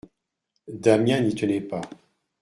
Damiens n'y tenait pas.